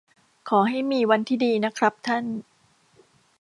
ขอให้มีวันที่ดีนะครับท่าน